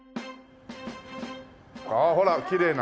ああほらきれいな。